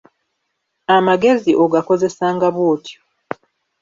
Amagezi ogakozesanga bwotyo.